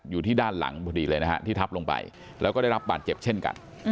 อยู่ที่ด้านหลังที่ทับลงไปแล้วก็ได้รับบาดเจ็บเช่นกัน